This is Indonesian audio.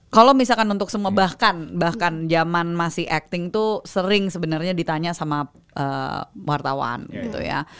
kalau misalkan untuk semua bahkan bahkan zaman masih acting tuh sering sebenarnya ditanya sama wartawan gitu ya